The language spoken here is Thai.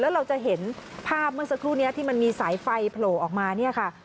แล้วเราจะเห็นภาพเมื่อสักครู่นี้ที่มันมีสายไฟโผล่ออกมาเนี่ยค่ะ